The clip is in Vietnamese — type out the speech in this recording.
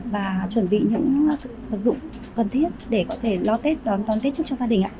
và chuẩn bị những thực dụng cần thiết để có thể lo tết đón tết trước cho gia đình